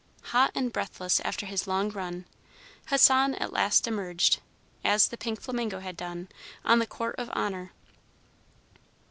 Hot and breathless after his long run, Hassan at last emerged, as the pink flamingo had done, on the Court of Honor.